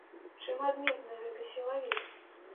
Чым адметны гэты сілавік?